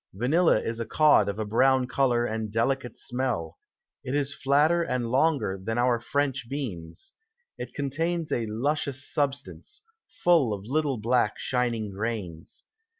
Vanilla is a Cod of a brown Colour and delicate Smell; it is flatter and longer than our [French] Beans, it contains a luscious Substance, full of little black shining Grains.